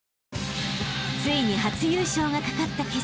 ［ついに初優勝がかかった決勝］